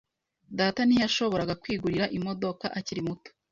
Data ntiyashoboraga kwigurira imodoka, akiri muto.